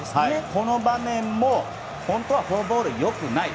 この場面も本当はフォアボールは良くない。